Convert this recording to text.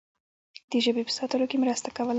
د ژبې په ساتلو کې مرسته کوله.